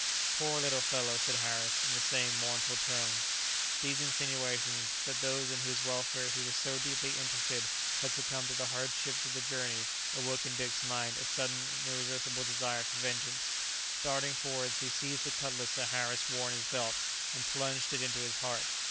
"Poor little fellow!" said Harris, in the same mournful tone. These insinuations, that those in whose welfare he was so deeply interested had succumbed to the hardships of the journey, awoke in Dick's mind a sudden and irresistible desire for vengeance. Darting forwards he seized the cutlass that Harris wore in his belt, and plunged it into his heart.